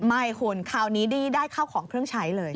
ไม่คุณคราวนี้นี่ได้เข้าของเครื่องใช้เลย